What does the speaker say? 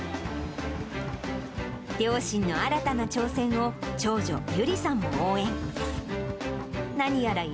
両親の新たな挑戦を長女、友里さんも応援。